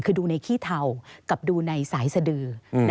คือดูในขี้เทากับดูในสายสดือ